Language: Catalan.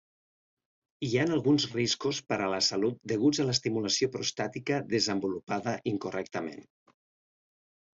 Hi ha alguns riscos per a la salut deguts a l'estimulació prostàtica desenvolupada incorrectament.